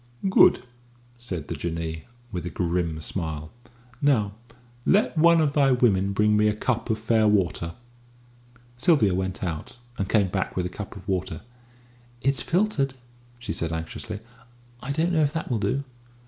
"Good," said the Jinnee, with a grim smile. "Now let one of thy women bring me a cup of fair water." Sylvia went out, and came back with a cup of water. "It's filtered," she said anxiously; "I don't know if that will do?"